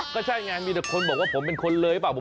ก็ใช่ไงมีแต่คนบอกว่าผมเป็นคนเลยหรือเปล่า